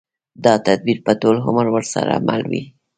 دا تدبير به ټول عمر ورسره مل وي.